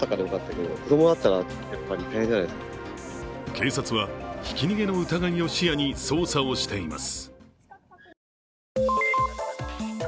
警察は、ひき逃げの疑いを視野に捜査をしています。